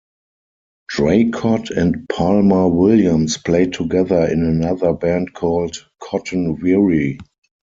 Draycott and Palmer-Williams played together in another band called Cotton Weary.